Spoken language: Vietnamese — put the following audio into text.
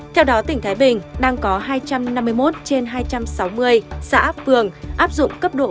theo đó tỉnh thái bình đang có hai trăm năm mươi một trên hai trăm sáu mươi xã phường áp dụng cấp độ